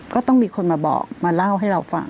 ก็ต้องมีคนมาบอกมาเล่าให้เราฟัง